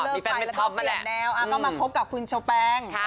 แล้วก็เลิกไปแล้วก็เปลี่ยนแนวแล้วก็มาพบกับคุณเช้าแปง